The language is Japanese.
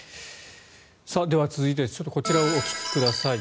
では、続いてこちらをお聞きください。